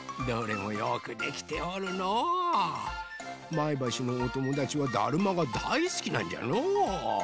前橋のおともだちはだるまがだいすきなんじゃの。